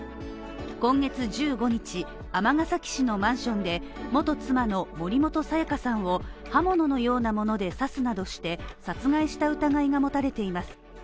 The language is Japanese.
今月１５日、尼崎市のマンションで、元妻の森本彩加さんを刃物のようなもので刺すなどして殺害した疑いが持たれています。